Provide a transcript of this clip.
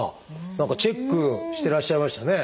何かチェックしてらっしゃいましたね。